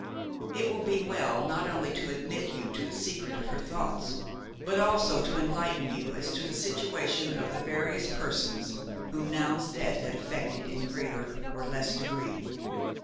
It will be well not only to admit you to the secret of her thoughts, but also to enlighten you as to the situation of the various persons whom Noun's death had affected in greater or less degree.